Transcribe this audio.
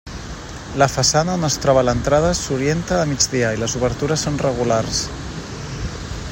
La façana on es troba l'entrada s'orienta a migdia i les obertures són regulars.